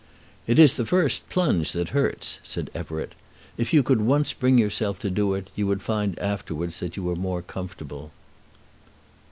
"It is the first plunge that hurts," said Everett. "If you could once bring yourself to do it, you would find afterwards that you were more comfortable."